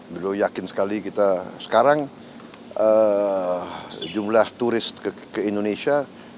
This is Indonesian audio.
beliau yakin sekali kita sekarang jumlah turis ke indonesia